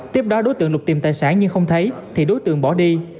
tiếp đó đối tượng lục tìm tài sản nhưng không thấy thì đối tượng bỏ đi